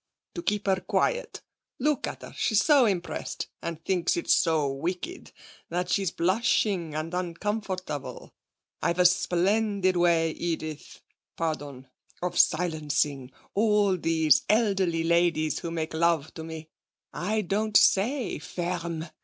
'To keep her quiet. Look at her: she's so impressed, and thinks it so wicked, that she's blushing and uncomfortable. I've a splendid way, Edith (pardon), of silencing all these elderly ladies who make love to me. I don't say "Ferme!"